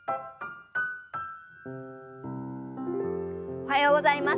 おはようございます。